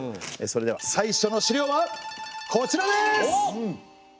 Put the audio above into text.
それでは最初の資料はこちらです！